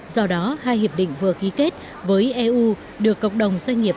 do đó hai hiệp định vừa ký kết với eu được cộng đồng doanh nghiệp